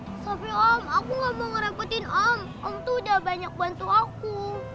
sofi om aku gak mau ngerangkutin om om tuh udah banyak bantu aku